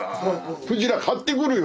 クジラ買ってくるよ